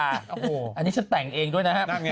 อันนี้ฉันแต่งเองด้วยนะครับ